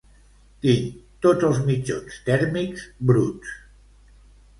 Tinc tots els mitjons tèrmics bruts